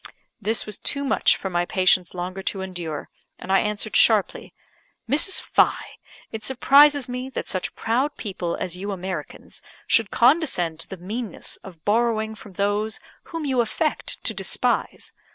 This was too much for my patience longer to endure, and I answered sharply "Mrs. Fye, it surprises me that such proud people as you Americans should condescend to the meanness of borrowing from those whom you affect to despise.